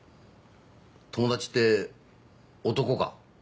友達って男か？